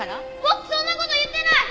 僕そんな事言ってない！